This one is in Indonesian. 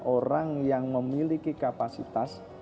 orang yang memiliki kapasitas